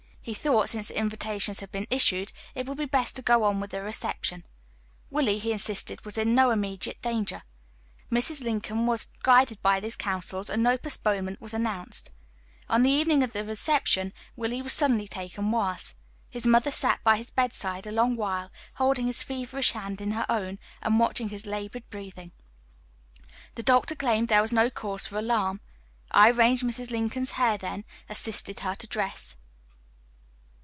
He thought, since the invitations had been issued, it would be best to go on with the reception. Willie, he insisted, was in no immediate danger. Mrs. Lincoln was guided by these counsels, and no postponement was announced. On the evening of the reception Willie was suddenly taken worse. His mother sat by his bedside a long while, holding his feverish hand in her own, and watching his labored breathing. The doctor claimed there was no cause for alarm. I arranged Mrs. Lincoln's hair, then assisted her to dress.